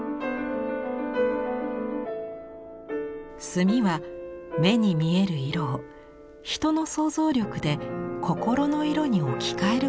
「墨は目に見える色を人の想像力で心の色に置きかえることができる」。